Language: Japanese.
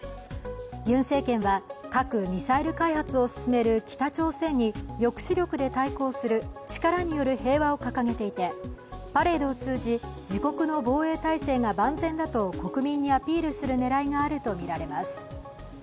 ユン政権は核・ミサイル開発を進める北朝鮮に抑止力で対抗する力による平和を掲げていてパレードを通じ、自国の防衛体制が万全だと国民にアピールする狙いがあるとみられます。